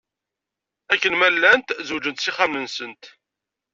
Akken ma llant zewjent s yixxamen-nsent.